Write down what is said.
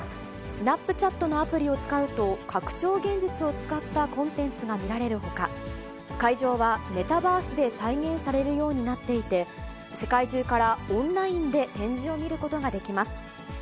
スナップチャットのアプリを使うと、拡張現実を使ったコンテンツが見られるほか、会場はメタバースで再現されるようになっていて、世界中からオンラインで展示を見ることができます。